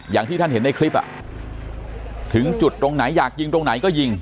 อย่างที่ท่านเห็นในคลิปถึงจุดตรงไหนอยากยิงตรงไหนก็ยิง